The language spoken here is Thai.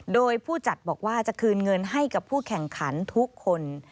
โดยผู้จัดบอกว่าจะคืนเงินให้กับผู้แข่งขันทุกคน